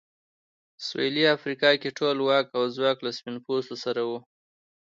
سوېلي افریقا کې ټول واک او ځواک له سپین پوستو سره و.